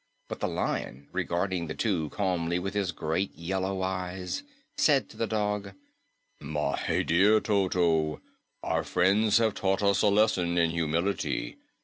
But the Lion, regarding the two calmly with his great, yellow eyes, said to the dog, "My dear Toto, our friends have taught us a lesson in humility.